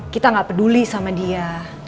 kita gak peduli sama dia